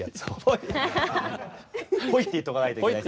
「っぽい」って言っとかないといけない。